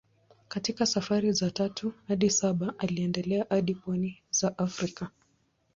Katika safari za tatu hadi saba aliendelea hadi pwani za Afrika.